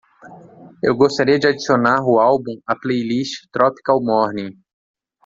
Eu gostaria de adicionar o álbum à playlist Tropical Morning.